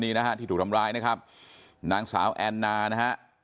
นี่นะฮะที่ถูกทำร้ายนะครับนางสาวแอนนานะฮะ